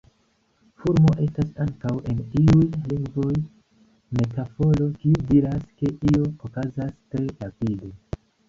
Fulmo estas ankaŭ en iuj lingvoj metaforo, kiu diras ke io okazas tre rapide.